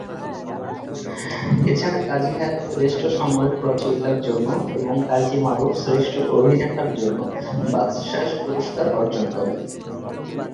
এছাড়া কাজী হায়াৎ শ্রেষ্ঠ সংলাপ রচয়িতার জন্য এবং কাজী মারুফ শ্রেষ্ঠ অভিনেতার জন্য বাচসাস পুরস্কার অর্জন করেন।